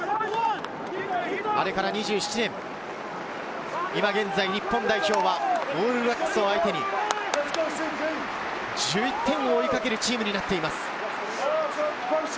あれから２７年、今現在、日本代表はオールブラックスを相手に１１点を追いかけるチームになっています。